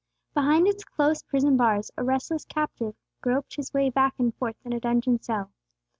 Behind its close prison bars a restless captive groped his way back and forth in a dungeon cell.